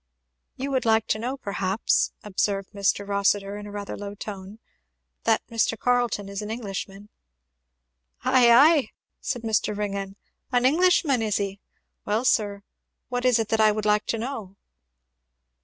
"You would like to know, perhaps," observed Mr. Rossitur in rather a low tone, "that Mr. Carleton is an Englishman." "Ay, ay?" said Mr. Ringgan. "An Englishman, is he? Well sir, what is it that I would like to know?"